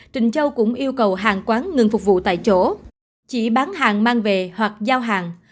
trịnh châu cũng yêu cầu hàng quán ngừng phục vụ tại chỗ chỉ bán hàng mang về hoặc giao hàng